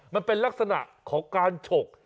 มันเป็นลักษณะของการฉก